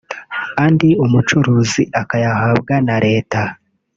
andi umucuruzi akayahabwa na Leta